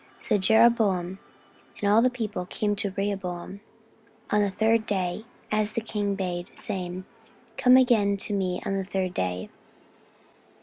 14:010:012 So Jeroboam and all the people came to Rehoboam on the third day, as the king bade, saying, Come again to me on the third day.